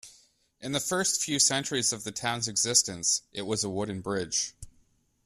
In the first few centuries of the town's existence, it was a wooden bridge.